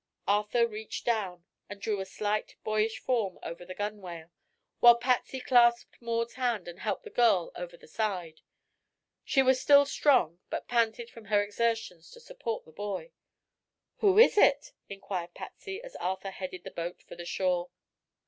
Arthur reached down and drew a slight, boyish form over the gunwale, while Patsy clasped Maud's hand and helped the girl over the side. She was still strong, but panted from her exertions to support the boy. "Who is it?" inquired Patsy, as Arthur headed the boat for the shore.